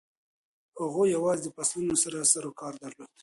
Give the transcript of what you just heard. هغوی یوازې د فصلونو سره سروکار درلود.